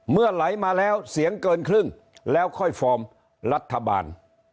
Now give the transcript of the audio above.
เมื่อไหลมาแล้วเสียงเกินครึ่งแล้วค่อยฟอร์มรัฐบาล